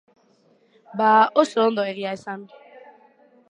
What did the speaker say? Bada, oso ondo, egia esan.